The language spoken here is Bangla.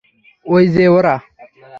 অই যে ওরা!